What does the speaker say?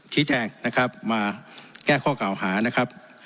ชี้แจงนะครับมาแก้ข้อกล่าวหานะครับ